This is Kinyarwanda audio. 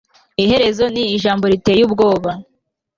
Iherezo ni ijambo riteye ubwoba